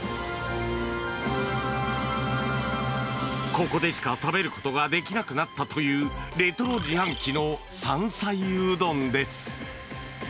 ここでしか食べることができなくなったというレトロ自販機の山菜うどんです。